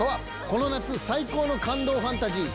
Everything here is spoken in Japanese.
この夏最高の感動ファンタジー。